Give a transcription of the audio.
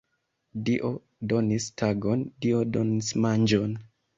Dio donis tagon, Dio donos manĝon.